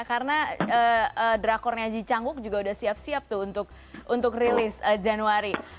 karena drakornya ji chang wook juga sudah siap siap untuk rilis januari